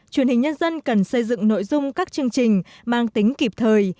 truyền hình nhân dân cần xây dựng nội dung các chương trình mang tính kịp thời